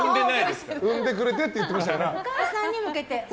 産んでくれてって言っていましたから。